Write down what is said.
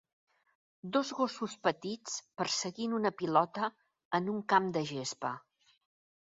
Dos gossos petits perseguint una pilota en un camp de gespa